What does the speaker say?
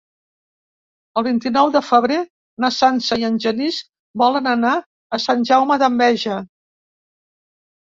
El vint-i-nou de febrer na Sança i en Genís volen anar a Sant Jaume d'Enveja.